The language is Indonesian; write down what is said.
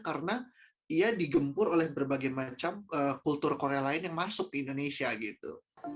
karena ia digempur oleh berbagai macam kultur korea lain yang masuk ke indonesia gitu